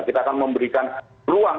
kita akan memberikan ruang